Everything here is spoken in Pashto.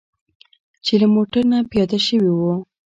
چې له موټر نه پیاده شوي وو.